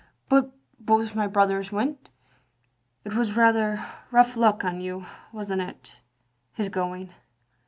But both my brothers went. It was rather rough luck on you, was n't it, his going?